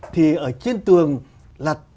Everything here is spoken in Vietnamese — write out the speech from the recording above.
thì ở trên tường là